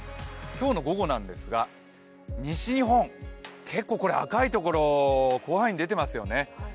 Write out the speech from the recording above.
今日の午後なんですが西日本、赤いところ広範囲に出てますよね。